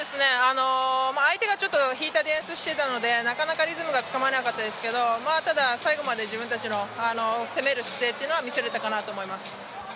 相手がちょっと引いたディフェンスをしていたので、なかなかリズムがつかめなかったですけどただ、最後まで自分たちの攻める姿勢は見せれたかなと思います。